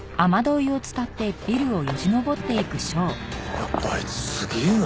やっぱあいつすげえな。